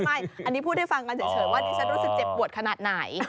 ไม่อันนี้พูดให้ฟังกันเฉยว่าดิฉันรู้สึกเจ็บปวดขนาดไหน